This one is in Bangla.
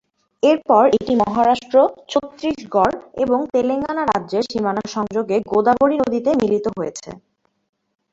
এরপর এটি মহারাষ্ট্র, ছত্তিশগড় এবং তেলেঙ্গানা রাজ্যের সীমানার সংযোগে গোদাবরী নদীতে মিলিত হয়েছে।